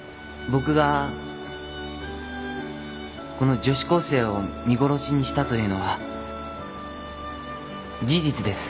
僕がこの女子高生を見殺しにしたというのは事実です。